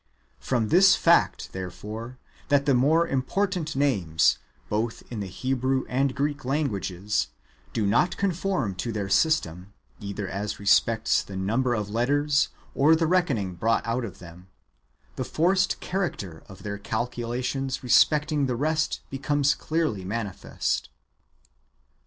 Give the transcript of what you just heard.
From tins fact, therefore, that the more important names, both in the Hebrew and Greek ^ languages, do not conform to their system, either as respects the number of letters or the reckoning brought out of them, the forced character of their calculations respecting the rest becomes clearly manifest.